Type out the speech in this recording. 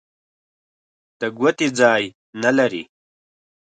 د ګوتې ځای نه لري.